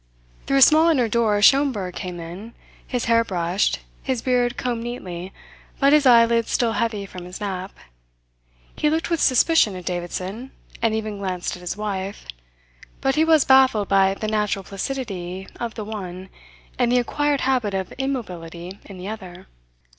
Through a small inner door Schomberg came in, his hair brushed, his beard combed neatly, but his eyelids still heavy from his nap. He looked with suspicion at Davidson, and even glanced at his wife; but he was baffled by the natural placidity of the one and the acquired habit of immobility in the other.